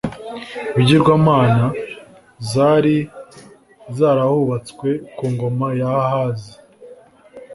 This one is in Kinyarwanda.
ibigirwamana zari zarahubatswe ku ngoma ya ahazi